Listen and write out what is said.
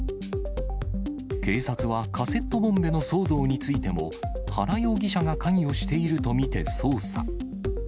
警察はカセットボンベの騒動についても、原容疑者が関与していると見て捜査。